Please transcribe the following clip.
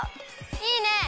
いいね！